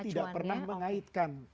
tidak pernah mengaitkan